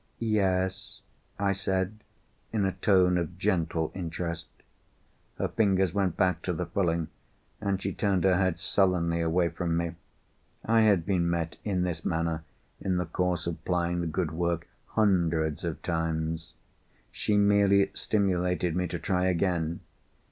"Yes?" I said, in a tone of gentle interest. Her fingers went back to the frilling, and she turned her head sullenly away from me. I had been met in this manner, in the course of plying the good work, hundreds of times. She merely stimulated me to try again.